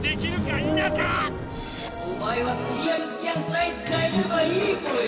おまえはクリアルスキャンさえつかえればいいぽよ。